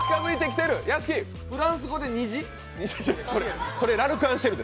フランス語で虹？